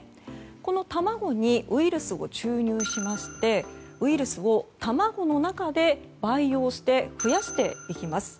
この卵にウイルスを注入しましてウイルスを卵の中で培養して増やしていきます。